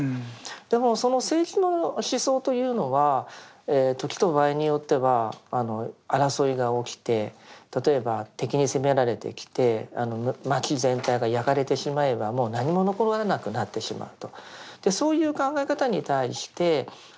でもその政治の思想というのは時と場合によっては争いが起きて例えば敵に攻められてきて町全体が焼かれてしまえばもう何も残らなくなってしまうと。